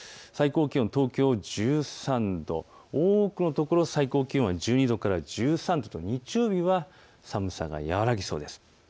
最高気温東京で１３度、多くのところ最高気温１２度から１３度と日曜日は寒さが和らぎそうです。